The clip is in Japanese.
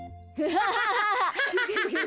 ハハハハ。